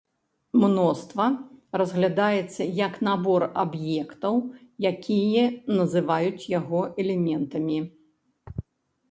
Мноства разглядаецца як набор аб'ектаў, якія называюць яго элементамі.